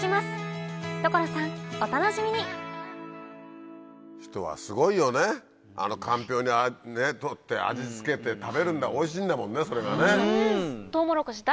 お楽しみに人はすごいよねあのかんぴょう取って味付けて食べるんだおいしいんだもんねそれがね。